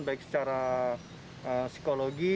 baik secara psikologi